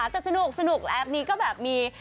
แต่สนุกแอปนี้ก็แบบมี